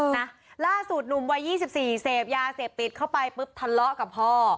นะล่าสุดหนุ่มวัย๒๔เสพยาเสพติดเข้าไปปุ๊บทะเลาะกับพ่อ